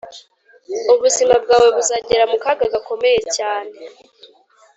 ubuzima bwawe buzagera mu kaga gakomeye cyane,